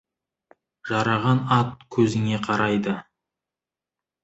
Жараған ат көзіңе қарайды.